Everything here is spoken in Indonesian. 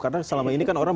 karena selama ini kan orang